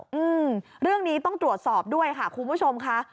อืมเรื่องนี้ต้องตรวจสอบด้วยค่ะคุณผู้ชมค่ะ